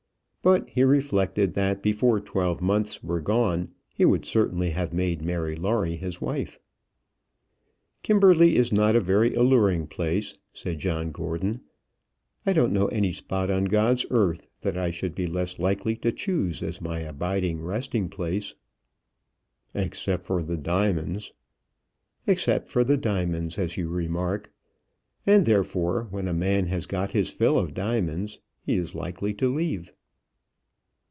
But he reflected that before twelve months were gone he would certainly have made Mary Lawrie his wife. "Kimberley is not a very alluring place," said John Gordon. "I don't know any spot on God's earth that I should be less likely to choose as my abiding resting place." "Except for the diamonds." "Except for the diamonds, as you remark. And therefore when a man has got his fill of diamonds, he is likely to leave."